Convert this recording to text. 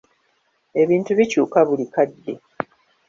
Ebintu bikyuka buli kadde.